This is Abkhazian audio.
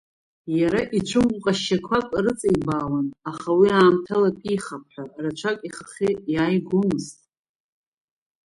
Иара ицәымӷу ҟазшьақәак рыҵибаауан, аха уи аамҭалатәихап ҳәа рацәак ихахьы иааигомызт.